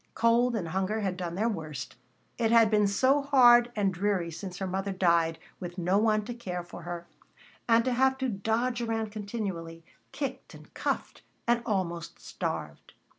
Cold and hunger had done their worst. It had been so hard and dreary since her mother died, with no one to care for her, and to have to dodge around continually, kicked and cuffed and almost starved.